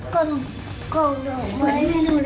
กล่องเลย